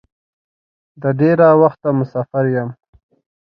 د ډېره وخته مسافر یم.